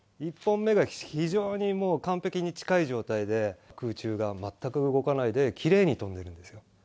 １本目が非常にもう完璧に近い状態で、空中が全く動かないで、きれいに飛んでいるんですよ。